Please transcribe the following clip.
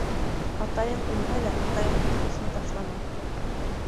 Атайың үлһә лә, атайыңдың дуҫын ташлама.